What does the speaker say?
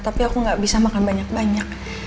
tapi aku gak bisa makan banyak banyak